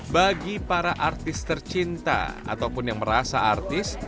bagi para artis tercinta ataupun yang merasa artis